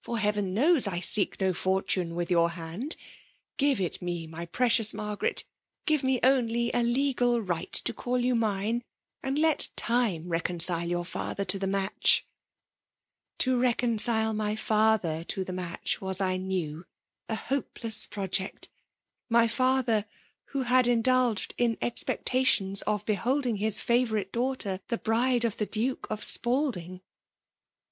Heaven knows, I seek no for tune with your hand! Qire it me, my pse dons Margacet; — give me only a legal right to call you mine, and let time neooneile your father to the match;' '' To reconcile myfadier to the matoh'Was/ I knew, a hopeless project; my father, who had indulged in expectations of beholding his 8S8 EKliAUE DOMIHATiOH^ fayourite daughter the bride of the Duke it Spalding